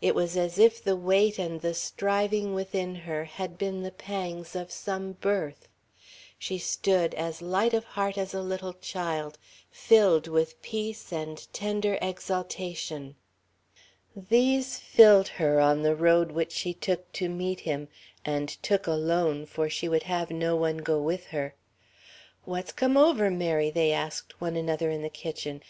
It was as if the weight and the striving within her had been the pangs of some birth. She stood, as light of heart as a little child, filled with peace and tender exaltation. These filled her on the road which she took to meet him and took alone, for she would have no one go with her. ("What's come over Mary?" they asked one another in the kitchen.